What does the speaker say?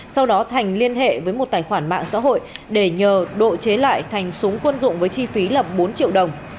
sau đó thành liên hệ với một tài khoản mạng xã hội để nhờ độ chế lại thành súng quân dụng với chi phí là bốn triệu đồng